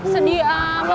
sedih amat kita